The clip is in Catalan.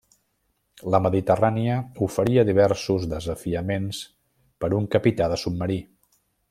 La Mediterrània oferia diversos desafiaments per a un capità de submarí.